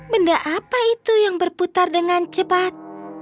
benda apa itu yang berputar dengan cepat